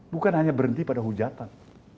bukan hanya berhenti pada hujatan